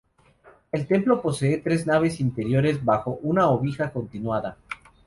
El templo posee tres naves interiores bajo una ojiva continuada.